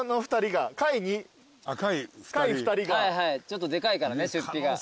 ちょっとでかいからね出費が。